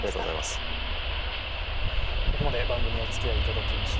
ここまで番組、おつきあいいただきました。